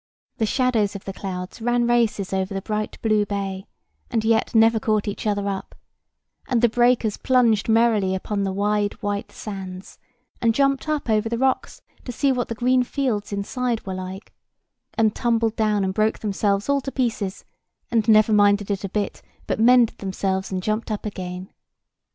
The shadows of the clouds ran races over the bright blue bay, and yet never caught each other up; and the breakers plunged merrily upon the wide white sands, and jumped up over the rocks, to see what the green fields inside were like, and tumbled down and broke themselves all to pieces, and never minded it a bit, but mended themselves and jumped up again.